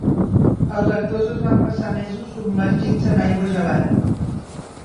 Els actors es van passar mesos submergits en aigua gelada.